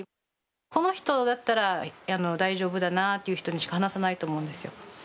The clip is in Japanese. この人だったら大丈夫だなという人にしか話さないと思うんですよ。